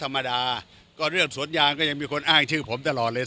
ธรรมดาก็เรื่องสวนยางก็ยังมีคนอ้างชื่อผมตลอดเลย